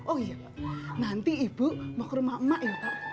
oh iya nanti ibu mau ke rumah emak emak ya